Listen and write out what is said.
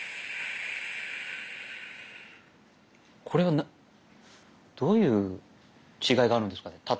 これはどういう違いがあるんですかね？